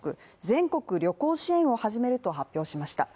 全国旅行支援を始めると発表しました。